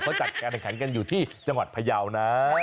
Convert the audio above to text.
เพราะจัดการขันกันอยู่ที่จังหวัดพยาวนั้น